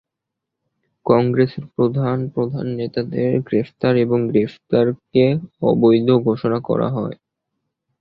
কংগ্রেসের প্রধান প্রধান নেতাকে গ্রেফতার এবং কংগ্রেসকে অবৈধ ঘোষণা করা হয়।